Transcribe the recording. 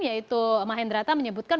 yaitu mahendrata menyebutkan